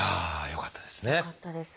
よかったです。